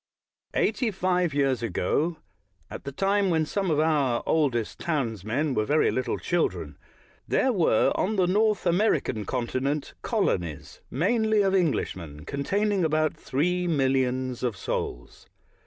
Eightj^ five years ago, at the time when some of our oldest townsmen were very little children, there were, on the North American continent, colonies, mainly of Englishmen, containing about three millions of souls.